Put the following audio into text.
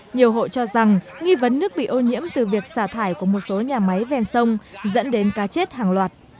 nhiều hộ cho rằng nghi vấn nước bị ô nhiễm từ việc xả thải của một số nhà máy ven sông dẫn đến cá chết hàng loạt